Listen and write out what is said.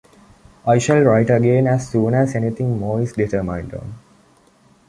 I shall write again as soon as anything more is determined on.